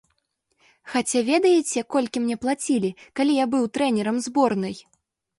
Хаця ведаеце, колькі мне плацілі, калі я быў трэнерам зборнай?